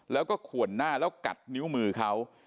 แล้วก็ขวนหน้าแล้วกัดนิ้วมือเขา